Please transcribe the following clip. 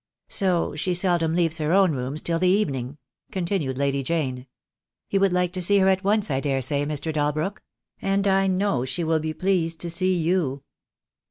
"So she seldom leaves her own rooms till the even ing," continued Lady Jane. "You would like to see her at once, I daresay, Mr. Dalbrook? And I know she will be pleased to see you."